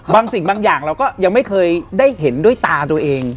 บางสิ่งบางอย่างเราก็ยังไม่เคยได้เห็นด้วยตาตัวเอง